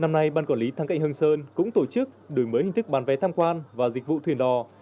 năm nay ban quản lý thăng cạnh hưng sơn cũng tổ chức đổi mới hình thức bán vé tham quan và dịch vụ thuyền đò